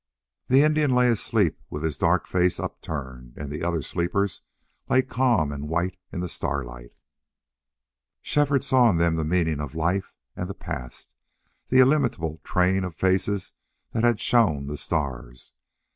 The Indian lay asleep with his dark face upturned, and the other sleepers lay calm and white in the starlight. Shefford saw in them the meaning of life and the past the illimitable train of faces that had shone the stars.